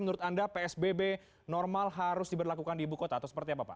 menurut anda psbb normal harus diberlakukan di ibu kota